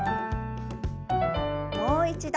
もう一度。